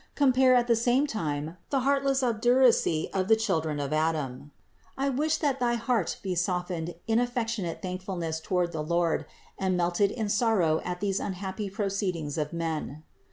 Compare at the same time the heartless obduracy of the children of Adam. I wish that thy heart be softened in affectionate thankfulness toward the Lord and melted in sorrow at these unhappy proceedings of men.